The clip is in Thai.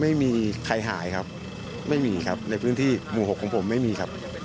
ไม่มีใครหายครับไม่มีครับในพื้นที่หมู่๖ของผมไม่มีครับ